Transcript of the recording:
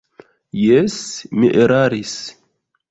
Jes, mi eraris.